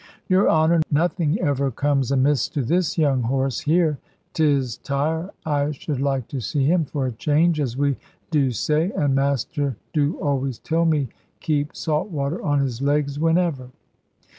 "Your Honour, nothing ever comes amiss to this young horse here. 'Tis tire I should like to see him, for a change, as we do say. And master do always tell me keep salt water on his legs whenever."